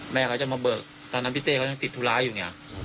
แม่เขาจะมาเบิกตอนนั้นพี่เต้เขายังติดธุระอยู่ไง